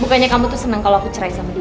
bukannya kamu tuh seneng kalo aku cerai sama dia